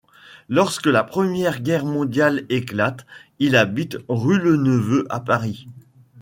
Lorsque la Première Guerre mondiale éclate, il habite Rue Leneveux à Paris.